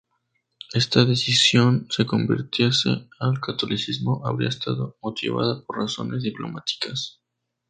Esta decisión de convertirse al catolicismo habría estado motivada por razones diplomáticas.